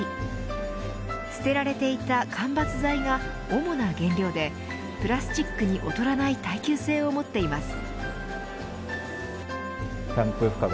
捨てられていた間伐材が主な原料でプラスチックに劣らない耐久性を持っています。